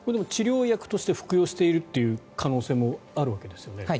治療薬として服用しているという可能性もあるわけですよね。